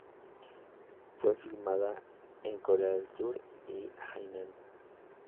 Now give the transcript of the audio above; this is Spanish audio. Fue filmada en Corea del Sur y Hainan.